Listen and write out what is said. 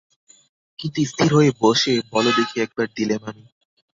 কিন্তু স্থির হয়ে বসে বলো দেখি একবার–দিলেম আমি।